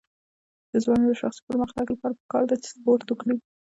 د ځوانانو د شخصي پرمختګ لپاره پکار ده چې سپورټ وکړي.